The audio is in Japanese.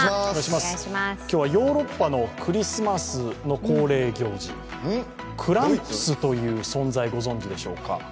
今日はヨーロッパのクリスマスの恒例行事、クランプスという存在ご存じでしょうか？